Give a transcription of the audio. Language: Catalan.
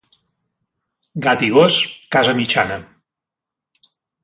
Gat i gos, casa mitjana.